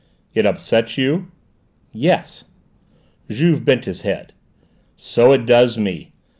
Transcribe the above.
"It upsets you?" "Yes." Juve bent his head. "So it does me!